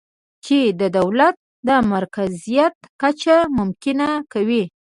چې د دولت د مرکزیت کچه ممکنه کوي